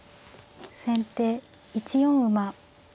先手１四馬。